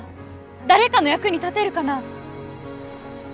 誰かの役に立てるかな？